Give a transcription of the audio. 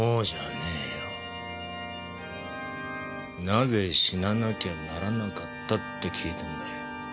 なぜ死ななきゃならなかった？って聞いてんだよ。